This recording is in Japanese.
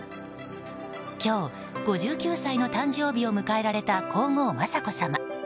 今日、５９歳の誕生日を迎えられた皇后・雅子さま。